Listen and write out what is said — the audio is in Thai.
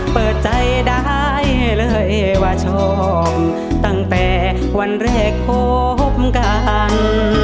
เปิดใจได้เลยว่าชอบตั้งแต่วันแรกพบกัน